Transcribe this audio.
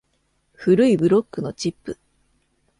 古いブロックのチップ